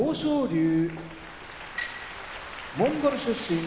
龍モンゴル出身